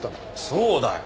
そうだよ。